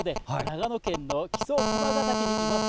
長野県の木曽駒ヶ岳に長谷川記者がいます。